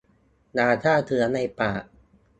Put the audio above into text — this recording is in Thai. ยาฆ่าเชื้อในปาก